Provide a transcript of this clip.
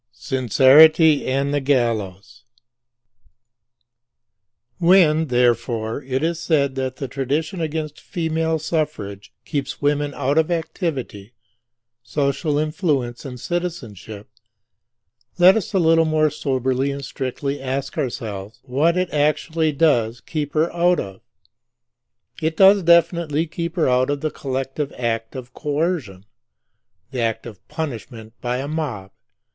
SINCERITY AND THE GALLOWS When, therefore, it is said that the tradition against Female Suffrage keeps women out of activity, social influence and citizenship, let us a little more soberly and strictly ask ourselves what it actually does keep her out of. It does definitely keep her out of the collective act of coercion; the act of punishment by a mob.